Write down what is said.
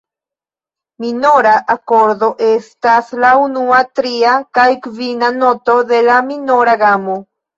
Minora akordo estas la unua, tria kaj kvina noto de la minora gamo.